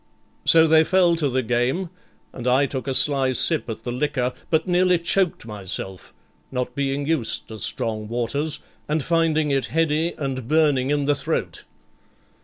So they fell to the game, and I took a sly sip at the liquor, but nearly choked myself, not being used to strong waters, and finding it heady and burning in the throat.